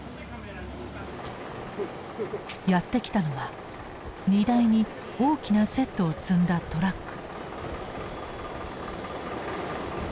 やって来たのは荷台に大きなセットを積んだトラック。